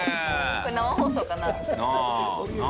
これ生放送かな？